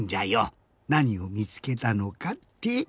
なにをみつけたのかって？